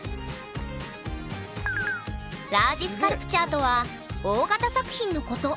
ラージスカルプチャーとは大型作品のこと。